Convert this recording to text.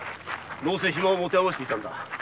どうせ暇を持て余していたんだ。